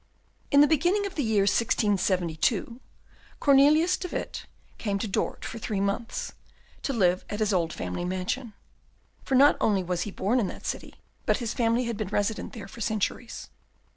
In the beginning of the year 1672, Cornelius de Witt came to Dort for three months, to live at his old family mansion; for not only was he born in that city, but his family had been resident there for centuries.